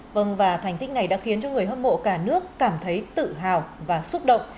vâng và thành tích này đã khiến cho người hâm mộ cả nước cảm thấy tự hào và xúc động